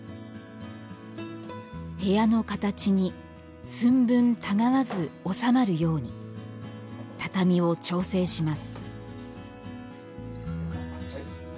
部屋の形に寸分たがわず収まるように畳を調整します